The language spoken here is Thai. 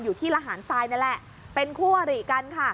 อยู่ที่ระหารทรายนั่นแหละเป็นคู่อริกันค่ะ